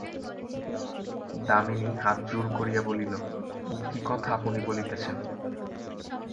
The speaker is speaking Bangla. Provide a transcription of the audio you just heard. দামিনী হাত জোড় করিয়া বলিল, ও কী কথা আপনি বলিতেছেন?